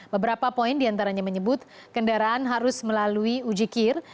beberapa poin diantaranya menyebut kendaraan harus melalui uji kir